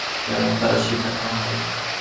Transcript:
সংঘাত যদি সৃষ্টি হয়, অন্য কেউ যেন তার শিকার না হয়।